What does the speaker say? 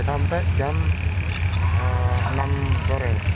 sampai jam enam sore